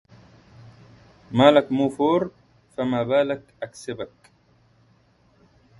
مالك موفور فما باله اكسبك